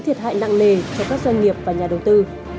thiệt hại nặng nề cho các doanh nghiệp và nhà đầu tư